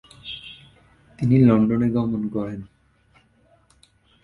তিনি লন্ডনে গমন করেন।